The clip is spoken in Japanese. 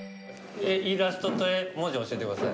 イラストと文字教えてください。